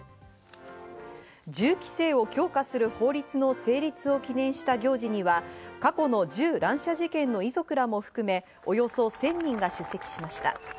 銃規制を強化する法律の成立を記念した行事には、過去の銃乱射事件の遺族らも含めおよそ１０００人が出席しました。